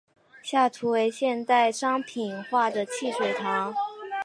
下图为现代商品化的汽水糖。